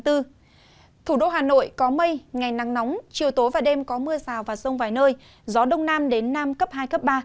thủ đô hà nội có mây ngày nắng nóng chiều tối và đêm có mưa rào và rông vài nơi gió đông nam đến nam cấp hai cấp ba